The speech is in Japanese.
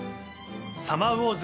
『サマーウォーズ』